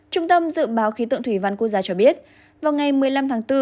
trung tâm dự báo khí tượng thủy văn quốc gia cho biết vào ngày một mươi năm tháng bốn